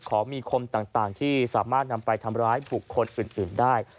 ของมีคมต่างที่สามารถนำไปทำร้ายบุคคลอื่นได้